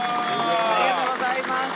ありがとうございます。